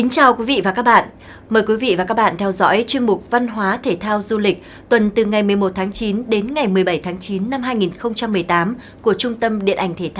chào mừng quý vị đến với bộ phim hãy nhớ like share và đăng ký kênh của chúng mình nhé